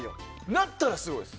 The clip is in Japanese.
鳴ったらすごいです。